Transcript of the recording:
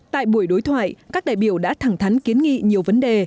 tại buổi đối thoại các đại biểu đã thẳng thắn kiến nghị nhiều vấn đề